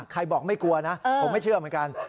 ใครบอกไม่กลัวนะผมไม่เชื่อเหมือนกัน